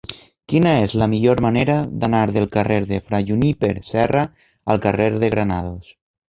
Quina és la millor manera d'anar del carrer de Fra Juníper Serra al carrer de Granados?